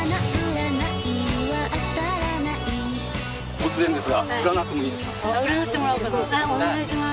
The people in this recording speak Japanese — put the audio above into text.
突然ですが占ってもいいですか？